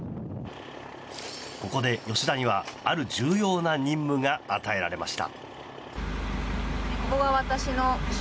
ここで吉田にはある重要な任務が与えられました。